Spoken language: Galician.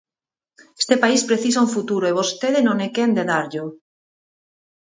Este país precisa un futuro e vostede non é quen de darllo.